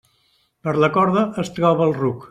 Per la corda es troba el ruc.